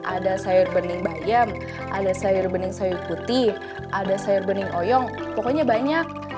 ada sayur bening bayam ada sayur bening sayur putih ada sayur bening oyong pokoknya banyak